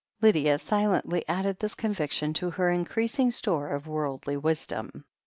Lydia silently added this conviction to her increasing store of worldly wisdom.